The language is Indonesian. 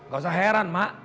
gak usah heran emak